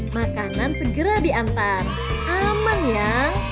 makanan segera diantar aman ya